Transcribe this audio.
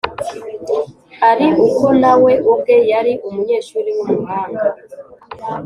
ari uko na we ubwe yari umunyeshuri w’umuhanga